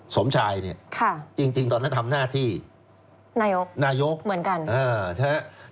สมชายเนี่ยจริงตอนนั้นทำหน้าที่นายกนายกเหมือนกัน